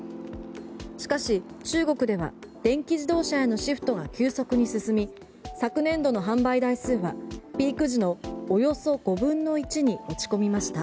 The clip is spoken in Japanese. しかし、中国では電気自動車へのシフトが急速に進み昨年度の販売台数はピーク時のおよそ５分の１に落ち込みました。